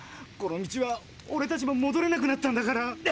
この道はオレたちももどれなくなったんだから。